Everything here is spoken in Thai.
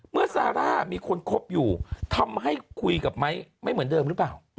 ซาร่ามีคนคบอยู่ทำให้คุยกับไม้ไม่เหมือนเดิมหรือเปล่า